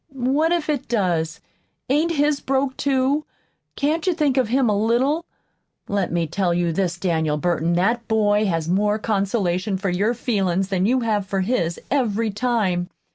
"What if it does? Ain't his broke, too? Can't you think of him a little? Let me tell you this, Daniel Burton that boy has more consolation for your feelin's than you have for his, every time.